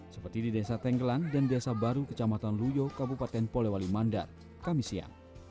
seperti di desa tenggelan dan desa baru kecamatan ruyo kabupaten polawali mandar kamisiam